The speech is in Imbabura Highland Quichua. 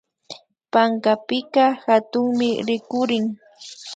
Pankapika hatunmi rikurin